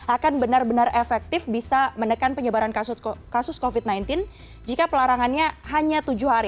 akan benar benar efektif bisa menekan penyebaran kasus covid sembilan belas jika pelarangannya hanya tujuh hari